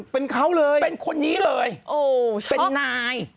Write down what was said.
เป็นเขาเลยเป็นคนนี้เลยเป็นนาย